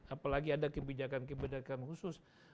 apalagi ada kebijakan kebijakan khusus